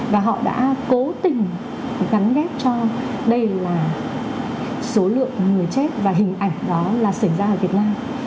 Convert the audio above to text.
và họ đã cố tình gắn ghép cho đây là số lượng người chết và hình ảnh đó là xảy ra ở việt nam